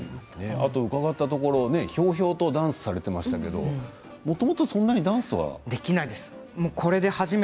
伺ったところひょうひょうとダンスされていましたけどもともとダンスは？できないです。